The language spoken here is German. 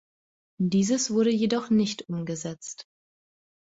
Dieses wurde jedoch nicht umgesetzt.